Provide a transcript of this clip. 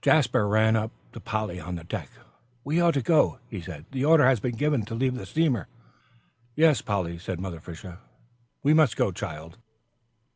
Jasper ran up to Polly on the deck. "We ought to go," he said, "the order has been given to leave the steamer." "Yes, Polly," said Mother Fisher, "we must go, child."